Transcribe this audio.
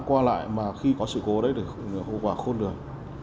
qua lại mà khi có sự cố đấy thì hậu quả khôn đường